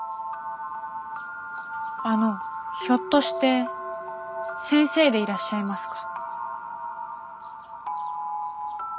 あのひょっとして先生でいらっしゃいますか？